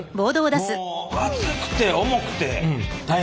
もう暑くて重くて大変でした。